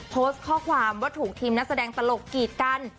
โพสต์ข้อความว่าถูกทีมนักแสดงตลกกีดกัน